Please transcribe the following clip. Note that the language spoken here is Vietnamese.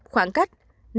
bốn khoảng cách